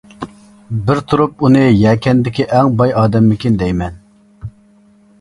بىر تۇرۇپ ئۇنى يەكەندىكى ئەڭ باي ئادەممىكىن دەيمەن.